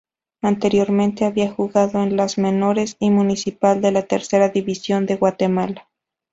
Anteriormente había jugado en las menores de Municipal de la Tercera División de Guatemala.